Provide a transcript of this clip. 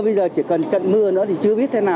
bây giờ chỉ cần trận mưa nữa thì chưa biết thế nào